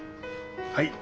はい。